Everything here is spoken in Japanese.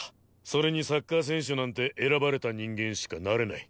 それにサッカー選手なんて選ばれた人間しかなれない。